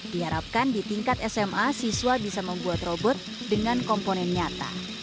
diharapkan di tingkat sma siswa bisa membuat robot dengan komponen nyata